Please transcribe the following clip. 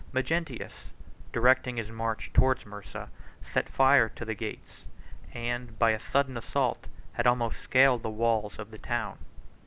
Magnentius, directing his march towards Mursa, set fire to the gates, and, by a sudden assault, had almost scaled the walls of the town.